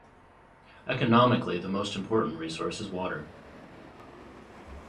Economically the most important resource is water.